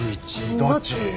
どっち？